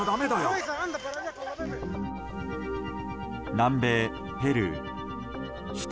南米ペルー首都